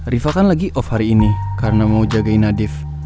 riva kan lagi off hari ini karena mau jagain nadif